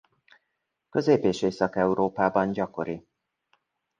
Közép- és Észak-Európában gyakori.